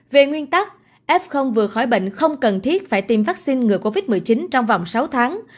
về nguyên tắc f vừa khỏi bệnh không cần thiết phải tiêm vaccine ngừa covid một mươi chín trong vòng sáu tháng